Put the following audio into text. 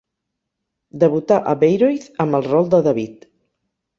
Debutà a Bayreuth amb el rol de David.